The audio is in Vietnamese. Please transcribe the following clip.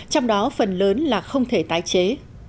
trong đó phần lớn là không thể tái chế